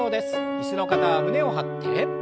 椅子の方は胸を張って。